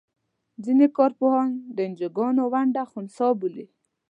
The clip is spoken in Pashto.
ځینې کار پوهان د انجوګانو ونډه خنثی بولي.